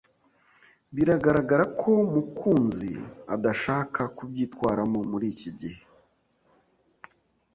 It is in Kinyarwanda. Biragaragara ko Mukunzi adashaka kubyitwaramo muri iki gihe.